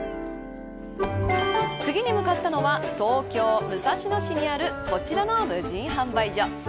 次に向かったのは東京・武蔵野市にあるこちらの無人販売所。